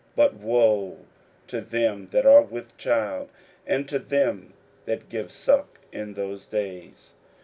41:013:017 But woe to them that are with child, and to them that give suck in those days!